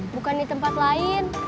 bukan di tempat lain